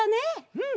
うん！